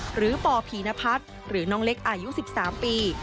ปพีนพัฒน์หรือน้องเล็กอายุ๑๓ปี